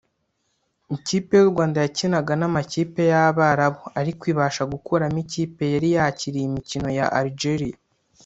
Ikipe y’u Rwanda yakinaga n’amakipe y’Abarabu ariko ibasha gukuramo ikipe yari yakiriye imikino ya Algeria